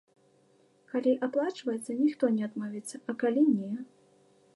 Калі аплачваецца, ніхто не адмовіцца, а калі не?